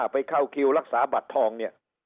ไปเข้าคิวรักษาบัตรทองเนี่ย